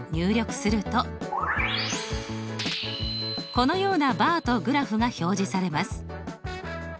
このようなバーとグラフが表示されます。